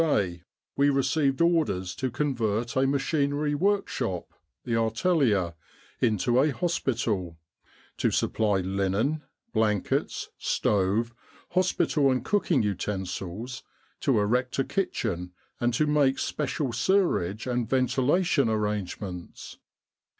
day we received orders to convert a machinery workshop (the Atelier) into a hospital, to supply linen, blankets, stove, hospital and cooking utensils, to erect a kitchen, and to make special sewerage and ventilation arrangements.